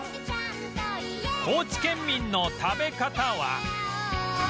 高知県民の食べ方は